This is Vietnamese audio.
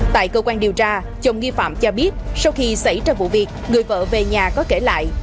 tại cơ quan điều tra chồng nghi phạm cho biết sau khi xảy ra vụ việc người vợ về nhà có kể lại